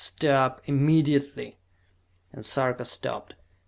"Stop! Immediately!" And Sarka stopped.